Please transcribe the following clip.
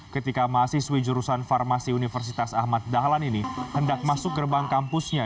ketika mahasiswi jurusan farmasi universitas ahmad dahlan ini hendak masuk gerbang kampusnya